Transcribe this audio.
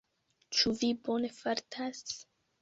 Ĉu vi bone fartas?